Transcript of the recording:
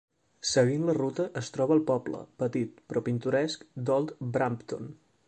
Seguint la ruta es troba el poble petit però pintoresc d'Old Brampton.